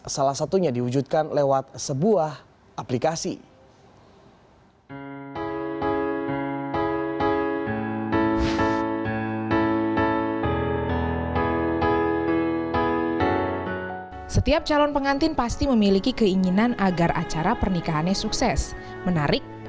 salah satunya diwujudkan lewat sebuah aplikasi